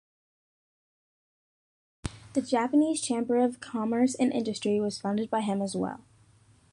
The Japanese Chamber of Commerce and Industry was founded by him as well.